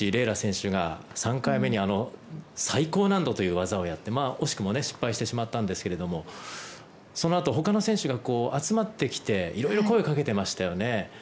楽選手が３回目に最高難度という技をやって惜しくも失敗してしまったんですがそのあとほかの選手が集まってきていろいろ声をかけてましたよね。